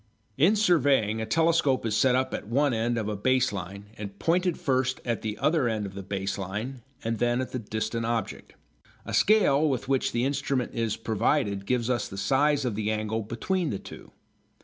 In surveying, a telescope is set up at one end of a base line and pointed first at the other end of the base line and then at the distant object. A scale with which the instrument is provided gives us the size of the angle between the two.